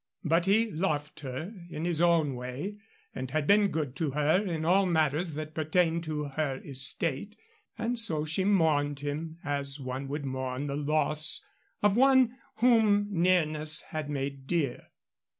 But he loved her in his own way and had been good to her in all matters that pertained to her estate, and so she mourned him as one would mourn the loss of one whom nearness had made dear.